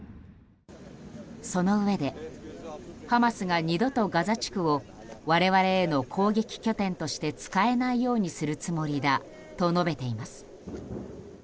そのうえで、ハマスが二度とガザ地区を我々への攻撃拠点として使えないようにするつもりだと述べています。